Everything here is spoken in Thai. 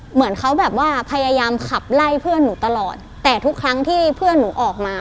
เหมือนเขาแบบว่าพยายามขับไล่เพื่อนหนูตลอดแต่ทุกครั้งที่เพื่อนหนูออกมา